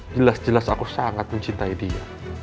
jelas jelas aku sangat mencintai dia